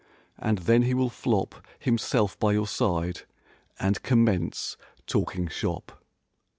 And then he will flop Himself by your side and commence talking shop.